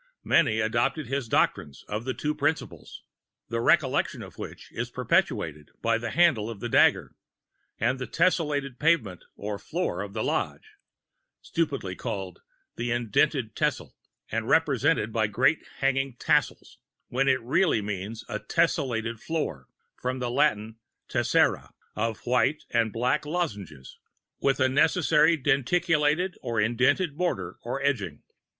Many adopted his doctrines of the two Principles, the recollection of which is perpetuated by the handle of the dagger and the tesselated pavement or floor of the Lodge, stupidly called "the Indented Tessel," and represented by great hanging tassels, when it really means a tesserated floor (from the Latin tessera) of white and black lozenges, with a necessarily denticulated or indented border or edging.